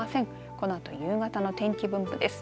このあと夕方の天気分布です。